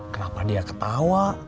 kenapa dia ketawa